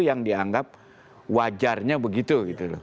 yang dianggap wajarnya begitu